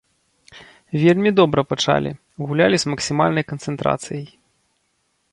Вельмі добра пачалі, гулялі з максімальнай канцэнтрацыяй.